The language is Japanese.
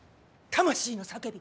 魂の叫び！